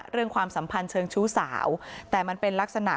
ความสัมพันธ์เชิงชู้สาวแต่มันเป็นลักษณะ